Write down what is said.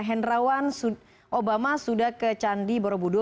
hendrawan obama sudah ke candi borobudur